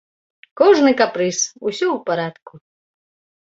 Кожны капрыз, усё ў парадку.